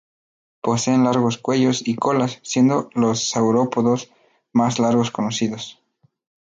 Poseen largos cuellos y colas, siendo los saurópodos más largos conocidos.